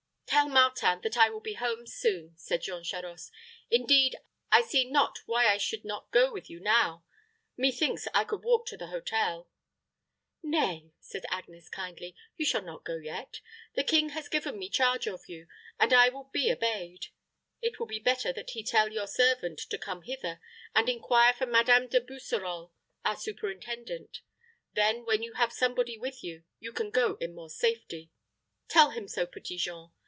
"Tell Martin that I will be home soon," said Jean Charost. "Indeed, I see not why I should not go with you now. Methinks I could walk to the hotel." "Nay," said Agnes, kindly; "you shall not go yet. The king has given me charge of you, and I will be obeyed. It will be better that he tell your servant to come hither, and inquire for Madame De Busserole, our superintendent. Then, when you have somebody with you, you can go in more safety. Tell him so, Petit Jean.